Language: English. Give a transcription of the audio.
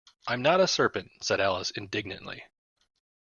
‘I’m not a serpent!’ said Alice indignantly.